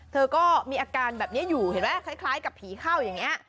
เธอก็มีอาการแบบนี้อยู่เห็นไหมคล้ายกับผีเข้าอย่างนี้